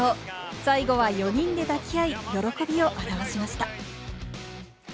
最後は４人で抱き合い、喜びを表しました。